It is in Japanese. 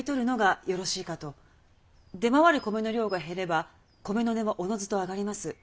出回る米の量が減れば米の値はおのずと上がります。